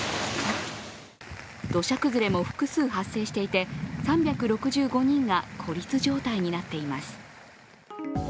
土砂崩れも複数発生していて３６５人が孤立状態になっています。